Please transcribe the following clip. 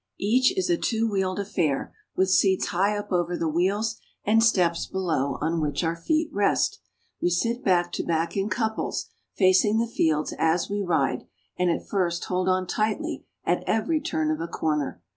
Each is a two wheeled SOUTHERN IRELAND. 17 affair, with seats high up over the wheels and steps below on which our feet rest. We sit back to back in couples, facing the fields as we ride, and at first hold on tightly at every turn of a corner.